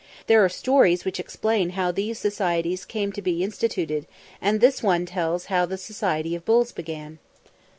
There are stories which explain how these societies came to be instituted, and this one tells how the Society of Bulls began.